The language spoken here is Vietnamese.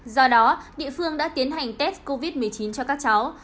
do đó địa phương đã tiến hành test covid một mươi chín cho các cháu